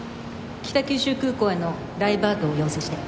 北九州空港へのダイバートを要請して。